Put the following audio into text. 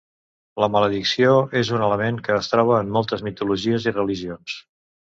La maledicció és un element que es troba en moltes mitologies i religions.